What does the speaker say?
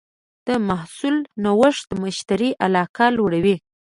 د محصول نوښت د مشتری علاقه لوړوي.